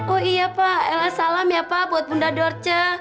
oh iya pak salam ya pak buat bunda dorce